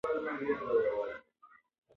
د تشو خونو دروازې په غمجنه ساه خلاصیږي.